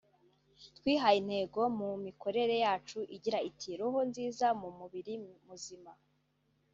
twihaye intego mu mikorere yacu igira iti ’Roho nziza mu mubiri muzima’”